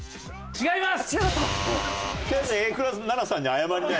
違います。